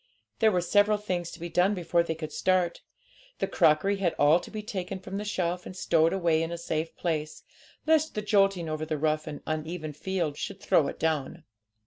There were several things to be done before they could start; the crockery had all to be taken from the shelf and stowed away in a safe place, lest the jolting over the rough and uneven field should throw it down.